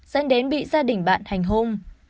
dẫn đến bị gia đình bạn hành hung